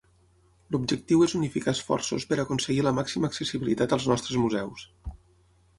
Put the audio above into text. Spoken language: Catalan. L'objectiu és unificar esforços per aconseguir la màxima accessibilitat als nostres museus.